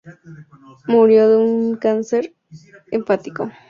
Murió de un cáncer hepático.